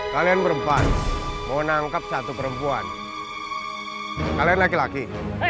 kalian merempat menangkap satu perempuan kalian laki laki